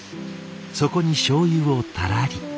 そこにしょうゆをたらり。